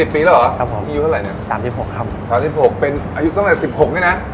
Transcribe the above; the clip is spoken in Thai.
๓๖เป็นอายุตั้งแต่๑๖นี้นะ